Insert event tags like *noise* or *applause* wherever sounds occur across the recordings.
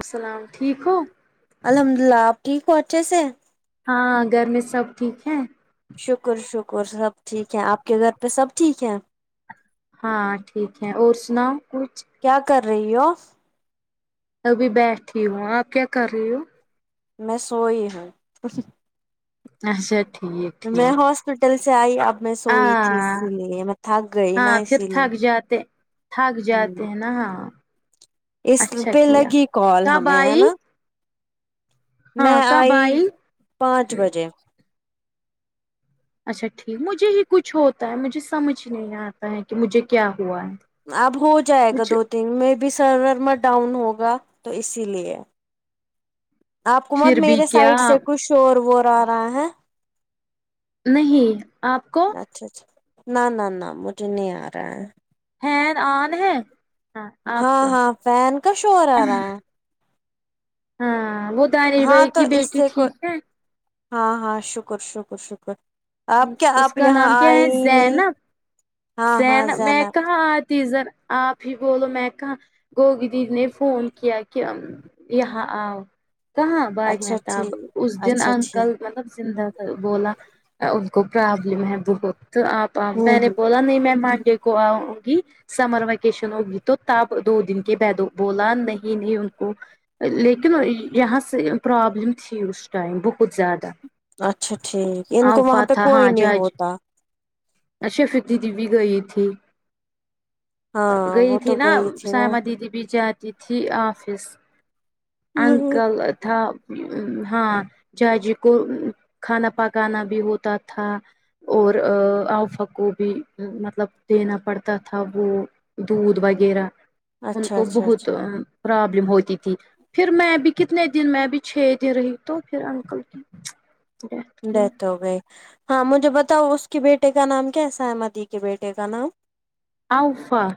السلام ٹھیک ہو الحمد اللہ آپ ٹھیک ہو اچھے سے ہاں گھر میں سب ٹھیک ہے شکر شکر سب ٹھیک ہے آپ کے گھر پہ سب ٹھیک ہے ہاں ٹھیک ہے اور سناؤ کچھ کیا کر رہی ہو ابھی بیٹھی ہ ہو آپ کیا کر رہی ہو میں سوئی ہوں اچھا ٹھیک میں ٹھیک ہاسپٹل سے آئی اب میں آ سوئی تھی اسی لیے میں تھک گئی نا ہاں پھر اسی لیے تھک جاتے تھک ہ جاتے ہیں نا ہاں اس اچھا پہ کیا لگی کال کب ہمیں ہے آئی نا ہاں میں کب آئی پانچ بجے اچھا ٹھیک مجھے ہی کچھ ہوتا ہے مجھے سمجھ نہیں آتا ہے کہ مجھے کیا ہوا ہے اب ہو جائے گا کچھ دو تین میں بھی سرورما ڈاؤن ہوگا تو اسی لیے آپ کو مت پھر بھی میرے کیا سائڈ سے کچھ شور وور آ رہا ہے نہیں آپ کو اچھا اچھا نہ نہ نہ مجھے نہیں آ رہا ہے ہین آن ہے آپ ہاں کا ہاں فین کا شوور آ رہا ہے ہاں وہ دانش ہاں بھائی تو کی اس بیٹی سے تھی کو ہاں ہاں شکر شکر شکر آپ کیا اس آپ کا یہاں نام کیا آئے ہے ہی نہیں زینب ہاں ہاں زینب میں کہاں آج تیزر آپ ہی بولو میں کہاں گوگی دی نے فون کیا کہ یہاں آؤ کہاںاں بھائی اچھا مہتاب ٹھیک اس دن اچھا انکل ٹھیک مطلب زندہ بولا ان کو پرابلم ہے بہت آپ آپ میں ہوں نے ہ پتا نہیں میں مانڈے کو آؤں گی سمر ویکیشن ہوگی تو تب دو دن کے بی دو بولا نہیں نہیں ان کو لیکن یہ ہس پرابلم تھی اس ٹائم بہت زیادہ اچھا ٹھیک ان کو وہاں پہ کوئی نہیں ہوتا اچھا فتی دی بھی گئی تھی ہاں گئی وہ تھی تو نا گئی تھی نا سائمہ دیدی بھی جان تھی آفس ہوں ہوں اننکل تھا ہاں جائے جی کو کھانا پکانا بھی ہوتا تھا اور آؤ فکو بھی مطلب دینا پڑتا تھا وہ دودھ وغیرہ ان اچھا کو اچھا بہت اچھا پرابلم ہوتی تھی پھر میں بھی کتنے دن میں بھی چھ دن رہی تو پھر انکل ڈیتھ ہو گئی ہاں مجھے بتاؤ اس کے بیٹے کا نام کیا ہے سمدی کے بیٹے کا نام اوفا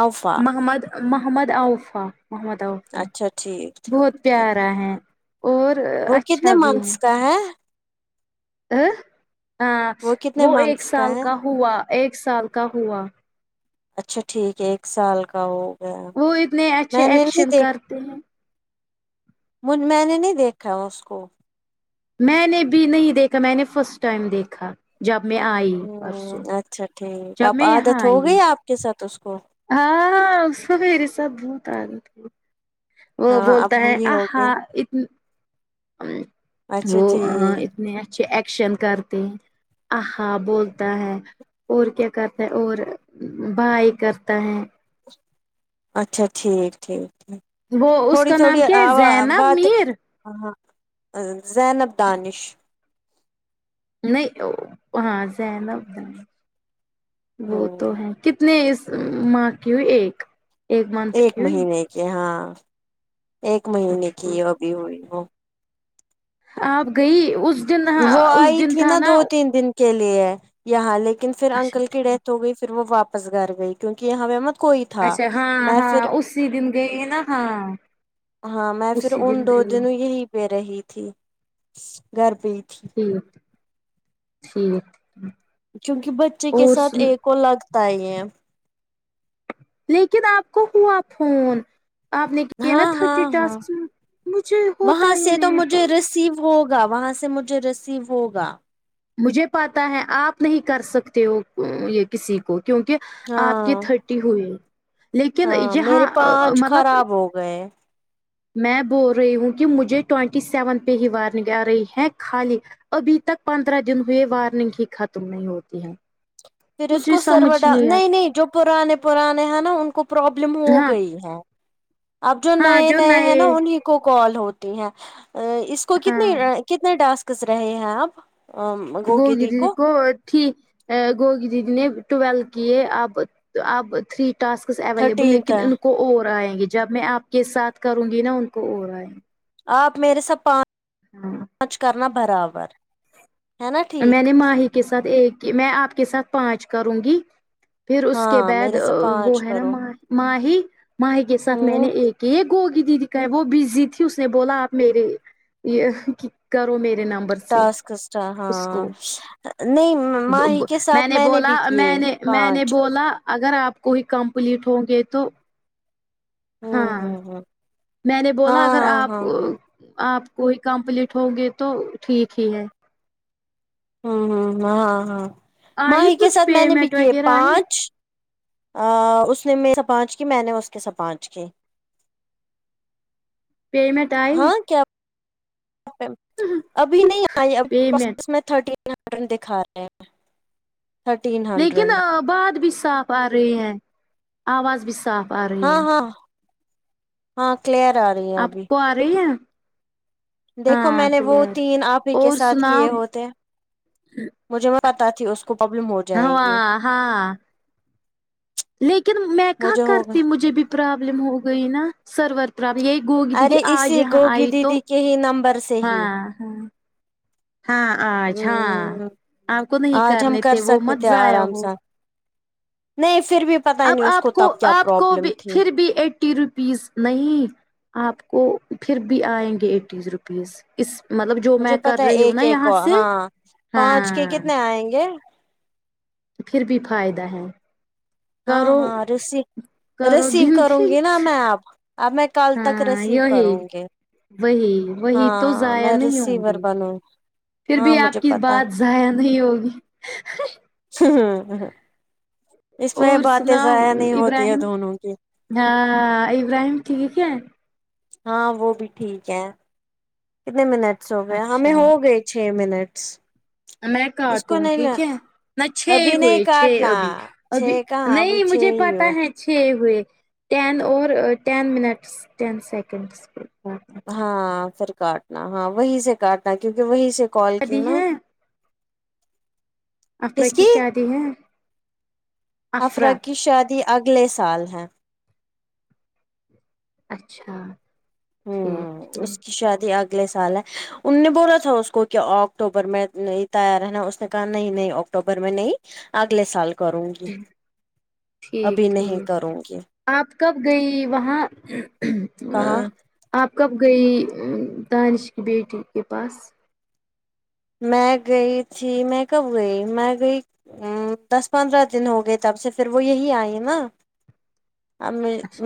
اوفا محمد محمد آوفا محمد عفان اچھا ٹھیک ٹھیک بہت ٹھیک پیارا ہے اور اچھا بھی ہے ک *inaudible* ا ہاں کتنے وہ ایک منتھس سال ہے کا ہوا ایک سال کا ہوا اچھا ٹھیک ہے ایک سال کا ہو گیا وہ اتنے اچھے میں نے نہیں ایکشن کرتے ہیں من میں نے نہیں دیکھا اس کو میں نے بھی نہیں دیکھا میں نے فرسٹ ٹائم دیکھا جب میں آئی ہوں پرسوں اچھا ٹھیک جب اب میں عادت یہاں ہو آئی گئی آپ کے ساتھ اس کو ہاں ہاں اس کو میری سب بہت عادت ہو وہ ہاں بولتا اب ہے ہوئی آ ہا ہوگی ات اچھا وہ ٹھیک اتنے اچھے ایکشن کرتے ہیں آہا بولتا ہے اور کیا کرتے ہے اور بھائی کرتا ہے اچھا ٹھیک ٹھیک ٹھیک وہ اس تھوڑی کا تھوڑی نام کیا ہے آ زینب باتیں میر ہ زینب دانش نہیں ہاں زینب دانش وہ تو ہوں ہے کتنے اس مکیو ایک منتھ ایک کی ہوئی مہینے کے ہاں ایک اچھا مہینے کی ٹھیک ابھی ہوئی وہ آپ گئی اس دن ہاں وہ اس آئی دن تھی تھا نا دو تین دن کے لیے یہاں لیکن پھر اچھا انکل کی ٹھیک ڈیتھ ہو گئی پھر وہ واپس گھر گئی کیونکہ یہاں پے مت کوئی تھا اچھا ہاں میں پھر ہاں اسی دن گئے ہیں نا ہاں ہاں میں پھر اسی ان دن دو گئی دنوں یہی پے رہی تھی گھر پئی تھی ٹھیک ٹھیک کیونکہ بچے کے اور ساتھ سن ایک لگتا ہی ہے لیکن آپ کو ہوا پھون آپ نے کیا نا ہاں ہاں تھرٹی ہاں ٹاسک میں مجھے ہوتا ہی نہیں ہے رسیو ہوگا وہاں سے مجھے ریسیو ہوگا مجھے پتا ہے آپ نہیں کر سکتے ہو یہ کسی کو کیونکہ آپ کے ہاں تھرٹی ہوئی لیکن ہاں یہاں میرے پانچ مطلب خراب ہو گئے میں بول رہی ہوں کہ مجھے ٹوینٹی سیون پہ ہی وارننگ آ رہی ہے خالی ابھی تک پندرہ دن ہوئے وارننگ ہی ختم نہیں ہوتی ہے پھر اس مجھے کو سر ڈ سمجھ آ نہیں نہیں جو پرانے پرانے ہیں نا ان کو پروابلم ہو ہاں گئی ہے اب جو نئے نئے ہیں نا انہی کو کال ہوتی ہیں اس کو ہاں کتنے کتنے ڈسکس رہے ہیں آپ گوگی دی جی کو گوٹ ت گوگی دیی نے ٹویلو کیے اب اب تھری ٹاسکس اویلیبل تھرٹینتھ لیکن ہے۔ ان کو اور آئیں گے جب میں آپ کے ساتھ کروں گی نا ان کو اور آئیں گی آپ میرے ساتھ ہاں پانچ کرنا برابر ہے نا میں ٹھیک نے ماہی کے ساتھ ایک میں آپ کے ساتھ پانچ کروں گی پھر اس کے ہاں بعد میرے سے پانچ وہ ہے نا کرو ماہ ماہی ماہی کے ساتھ میں نے ہوں ایک یہ گوگی دیدی کا ہے وہ بزی تھی اس نے بولا آپ میرے یہ ک کرو میرے نمبر سے ٹاسکس اچھا اس ہاں کو نہیں ماہی کے ساتھ میں نے بولا بھی کیے میں نے میں پانچ نے بولا اگر آپ کوئی کمپلیٹ ہوں گے تو ہوں ہاں ہوں ہوں میں نے ہاں بولا اگر ہاں آپ ہاں آپ کو ہی کمپلیٹ ہو گئے تو ٹھیک ہی ہے ہوں ہمم ہمم ہاں ہاں آئی ماہی کے کچھ ساتھ میں نے بھی پیمنٹ کیے وغیرہ آئے پانچ اس نے میرے سے پانچ کی میں نے اس کے ساتھ پانچ کی پیمنٹ آئی ہاں کیا ابھی نہیں آئیو پیمنٹ میں تھرٹین ہنڈریڈ دکھا رہے ہیں تھرٹین لیکن ہنڈریڈ بات بھی صاف آ رہی ہے آواز بھی صاف آ رہی ہاں ہے ہاں ہاں کلیئر آ رہی ہے آپ ابھی کو آ رہی ہے دیکھو میں ہاں نے وہ کلیئر تین آپ ہی کے اور ساتھ سناؤ کیے ہوتے مجھے میں پتا تھا اس کو پبلم ہو جائے ہوا گی ہاں لیکن میں کہ مجھے ہوگا کرتی مجھے بھی پرابلم ہو گئی نا سرور پروب یہی گوگی دیدی آج یہاں آئی تو یہی نمبر سے ہی ہاں ہاں ہاں آج ہاں ہممم آپ کو نہیں آج ہم کرنے کر وہ سکتے مت تھے ضائع آرام ہو س نہیں پھر بھی اب آپ کو کیا آپ کو پرابلم بھی تھی پھر بھی ایٹی روپیز نہیں آپ کو پھر بھی آئیں گے ایٹی روپیز اس مطلب جو میں مجھے کر پتا ہے رہی ہوں نا ایک ایک یہاں سے ہاں پانچ کے ہاں کتنے آئیں گے پھر بھی فائدہ ہے ہاں کرو ہاں ریسیو کرو ریسیو کروں گنتی گی نا میں آپ اب میں کل تک ہاں ریسیو یہی کروں گے وہی وہی تو ضائع نہیں ہوں ریسیور گی بنوں پھر ہاں بھی آپ مجھے کی پتا بات ضائع نہیں ہوگی ہ ہاں ہاں اور سناؤ نہیں ہوتی ہے ابراہیم دونوں کی ہاں ابراہیم ٹھیک ہے ہاں وہ بھی ٹھیک ہے کتنے منٹس ہو گئے ہمیں اچھا ہوگئے چھ منٹس میں اس کو کاٹوں نہیں ٹھیک ل ہے میں چھ ابھی ہوئے نہیں چھ کاٹنا ابھی ابھی چھ کہاں ابھی نہیں چھ مجھے ہی پتا ہو ہے چھ ہوئے ٹین اور ٹین منٹس ٹین سیکنڈس ہاں پھر کاٹنا ہاں وہیں سے کاٹنا کیونکہ وہیں سے کال کی نا ہے افرا کس کی شادی ہے افرہ افرا کی شادی اگلے سال ہے اچھا ہوں ٹھیک اس ٹھیک کی شادی اگ لے سال ہے ان نے بولا تھا اس کو کہ اکٹوبر میں نہیں تیار ہے نا اس نے کہا نہیں نہیں اکٹ وبر میں نہیں اگلے سال کروں گی ابھی ٹھیک نہیں ٹھیک کروں گی آپ کب گئی وہاں کہاں آپ کب گئی دانش کی بیٹی کے پاس میں گئی تھی میں کب گئی میں گئی ا دس پندرہ دن ہو گئے تب سے پھر وہ یہی آئی نا ناقابل سماعت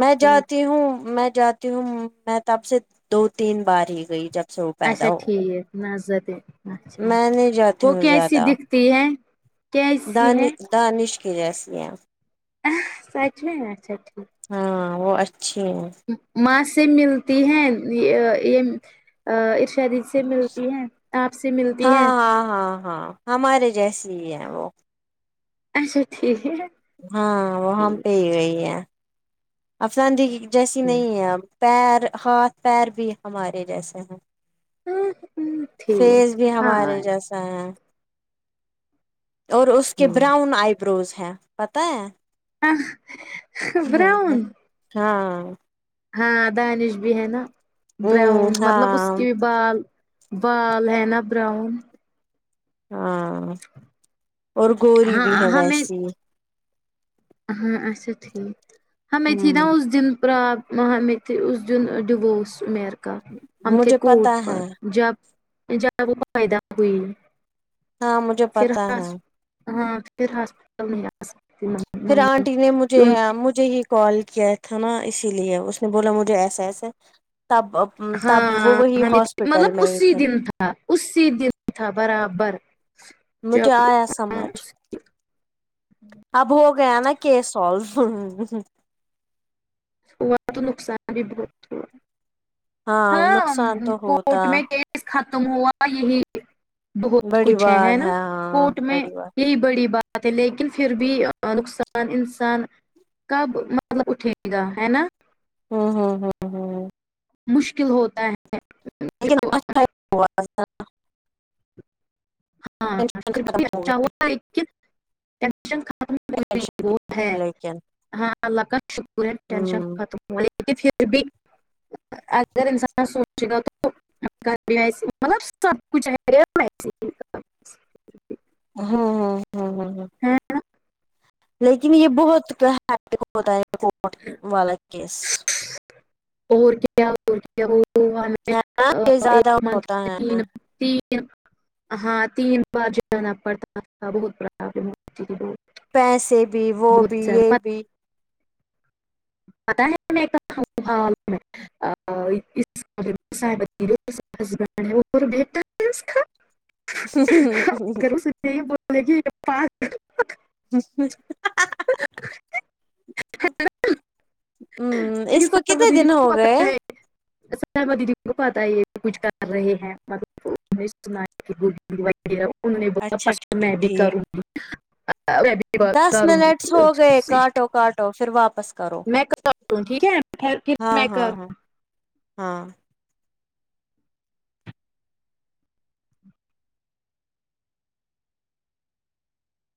میں جاتی ہوں میں جات ی ہوں میں تب سے دو تین بار ہی گئی جب سے وہ اچھا پیدا ہو گئے ٹھیک نظر د اچھا میں نہیں جاتی وہ ہوں کیسی زیادہ دکھتی ہے کیسی ہے د نش کے جیسیے ہیں سچ میں اچھا ٹھیک ہاں وہ اچھی ہیں ماں سے ملتی ہیں یہ یہ ارشا ر ی سے ملتی ہیں آپ سے ملتی ہاں ہیں ہاں ہاں ہاں ہمارے جیسی ہی ہیں وہ ہاں اچھا ٹھیک ہی ہے ہاں وہ ہم پہ ہی گئی ہیں افساندہی کی جیسی ٹھیک نہیں ہے اب پیر ہاتھ پیر بھی ہمارے جیسے ہیں ٹھیک فیز ٹھیک بھی ہمارے ہاں جیس اں اور اس کے ٹھیک براؤن آئی بروز ہیں پتاہے آہ حا براؤن ہاں ہاں دانش بھی ہے نا ہ براؤن مطلب اس ہاں کی ب بال بال ہےینا براؤن ہاں اور گوری بھی ہاں ہے ویسی ہ اچھا ٹھیک ہم میں تھی نا ہوں اس دن پرآ رپ وہاں میں تھی اس دین ڈوورس میرا آہ ہم تھے مجھے کوٹ پتا پر ہے جب جب وہ پیدا ہوئی ہاں مجھے فھر پتا ہے ہاس ہاں پھر ہاسپٹل نہیں آاس پھر آٹی نے مجھے عام مج مجھے ہی کال کیا تھا نا اسی لیے اس نے بولا مجھے ایسا ایسا تب ھم تب وہ ہاں وہی ہمیں ہاسپٹل مطلب میں ہی اسی تھے دن تھا اسسی دن تھا برابر مجھے جب آیا سمجھ اب ہو گیا نا کیس سالو ھم ہوا تو نقصان *unintelligible* ہاں ام نقصان تو کورٹ ہوتا میں کیس ختم ہوا یہی بہت بڑی کچھ ہے بات ہے نا ہاں کوٹ میں بڑی بات یہی بڑی بات پھر بھی نقصان انسان *unintelligible* کب مطلب اٹھے گا ہے نا ہوں ہوں ہوں ہوں مشکل ہوتا ہے لیکن جو *unintelligible* ہاں *unintelligible* *unintelligible* لیکن ہاں اللہ کا شکر ہے ہ ٹینشن ختم ہوی پھر بھی *unintelligible* اگر انسان سوچ گ تو *unintelligible* مطلب سب کچھ ہے وسے *unintelligible* ہوں ہوں *unintelligible* لیکن یہ بہت ہوتا ہے کٹ والا کیس *unintelligible* اور کیا کیا وہ ہے نا یہ زیادہ ایک منتھ ہوتا *unintelligible* ہے تین ہاں تین بار جانا پڑتا تھا بہت آپ ج ب *unintelligible* پیسے بھی وہ بھی یہ بھی پتا ہے *unintelligible* حببین وہ بر *unintelligible* *unintelligible* ہے نا کو *unintelligible* ہوں ہے اس کو ہوسکتا ہے وہ کتنے دیدی دن ہو گئے کو پتہ ہے یہ کچھ کر رہے ہیں *unintelligible* سنا کہ ان نے ب *unintelligible* اچھا پرس ٹھیک میں بھی ٹھیک کروں بھی دس کروں منٹس ہو گئے گی کاٹو کاٹو پھر واپس کرو میں کروں ٹھیک ہےھر ہاں میں ہاں کروں ہاں ہاں